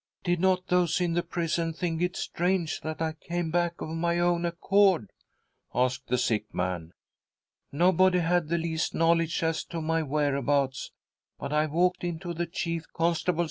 .■" Did not those in the prison think it strange that I came back of my own accord ?" asked the sick man. " Nobody had the least knowledge as to my whereabouts, but I walked into the chief constable's office and gave myself up voluntarily.